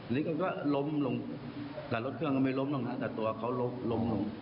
นี้ก็ล้มลงอาคารเราไม่ล้อมลงนะก็ล้มลง